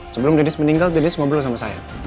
sebelum deniz meninggal deniz ngobrol sama saya